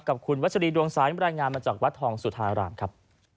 กับคุณวัชรีดวงสายบรรยายงานมาจากวัดทองสุธารามครับ